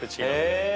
へえ。